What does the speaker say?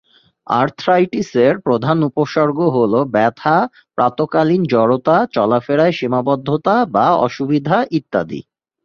আর্থ্রাইটিস-এর প্রধান উপসর্গ হলো ব্যথা, প্রাতঃকালীন জড়তা, চলাফেরায় সীমাবদ্ধতা বা অসুবিধা ইত্যাদি।